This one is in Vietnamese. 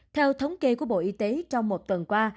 theo thống kê của bộ y tế trong một tuần qua